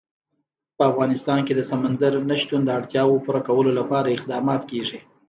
په افغانستان کې د سمندر نه شتون د اړتیاوو پوره کولو لپاره اقدامات کېږي.